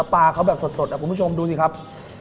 ปลาเขาแบบสดคุณผู้ชมดูสิครับ